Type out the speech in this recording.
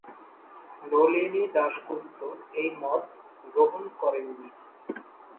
নলিনী দাশগুপ্ত এই মত গ্রহণ করেন নি।